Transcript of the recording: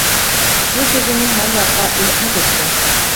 بۇ گىردىنى ھەر ياققا، ئېلىپمۇ كەتتى.